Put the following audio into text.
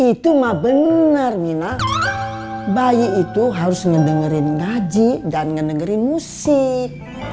itu mah bener mina bayi itu harus ngedengerin ngaji dan ngenengerin musik